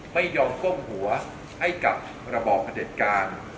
ไม่ยอมก้มหัวให้กับระบอบประเด็จการ